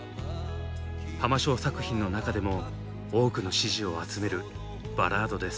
浜省作品の中でも多くの支持を集めるバラードです。